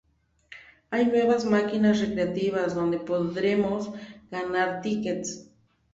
Hay nuevas máquinas recreativas donde podremos ganar tickets.